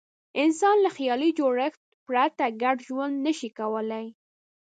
انسان له خیالي جوړښت پرته ګډ ژوند نه شي کولای.